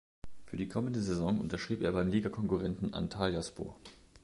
Für die kommende Saison unterschrieb er beim Ligakonkurrenten Antalyaspor.